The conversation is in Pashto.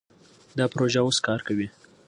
دا پروژه اوس کار کوي.